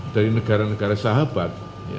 dari negara negara sahabat